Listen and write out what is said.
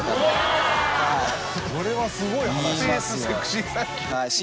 それはすごい話。